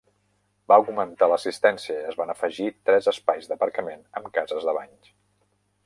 Va augmentar l'assistència, i es van afegir tres espais d'aparcament amb cases de banys.